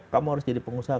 kamu harus jadi pengusaha